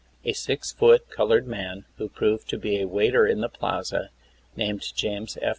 A six foot colored man, who proved to be a waiter in the Plaza, named James F.